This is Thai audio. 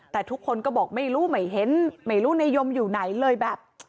แต่ทุกคนก็บอกไม่รู้ไม่เห็นไม่รู้ในยมอยู่ไหนเลยแบบ